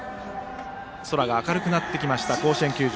空が明るくなってきました甲子園球場。